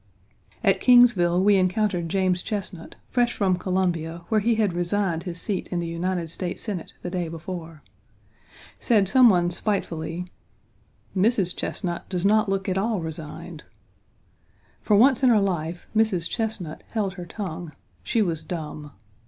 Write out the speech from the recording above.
At Kingsville we encountered James Chesnut, fresh from Columbia, where he had resigned his seat in the United States Senate the day before. Said some one spitefully, "Mrs. Chesnut does not look at all resigned." For once in her life, Mrs. Chesnut held her tongue: she was dumb.